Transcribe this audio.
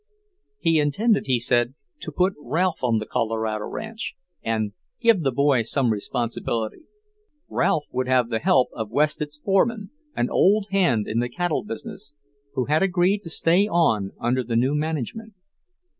He intended, he said, to put Ralph on the Colorado ranch and "give the boy some responsibility." Ralph would have the help of Wested's foreman, an old hand in the cattle business, who had agreed to stay on under the new management.